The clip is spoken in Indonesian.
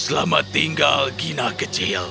selamat tinggal gina kecil